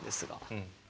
うん。